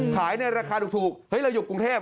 ขายในราคาถูกเฮ้ยเราอยู่กรุงเทพ